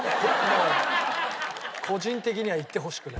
個人的にはいってほしくない。